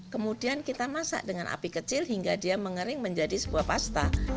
kemudian kita masak dengan api kecil hingga dia mengering menjadi sebuah pasta